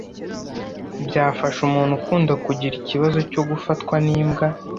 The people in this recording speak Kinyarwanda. byafasha umuntu ukunda kugira ikibazo cyo gufatwa n’imbwa